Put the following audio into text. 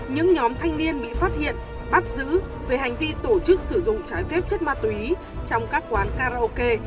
những nhóm thanh niên bị phát hiện bắt giữ về hành vi tổ chức sử dụng trái phép chất ma túy trong các quán karaoke